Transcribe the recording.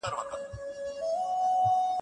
ستا هغه غرور ځار،